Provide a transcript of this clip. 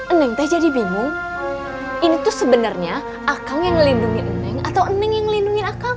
eneng teh jadi bingung ini tuh sebenarnya akang yang ngelindungi eneng atau eneng yang ngelindungi akang